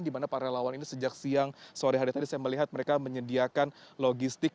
di mana para relawan ini sejak siang sore hari tadi saya melihat mereka menyediakan logistik